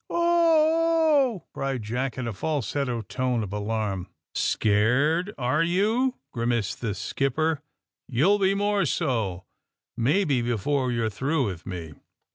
"Oo oo oo!" cried Jack, in a falsetto tone of alarm. "Scared, are youf^' grimaced the skipper, "You'll be more so, maybe before you're through with me.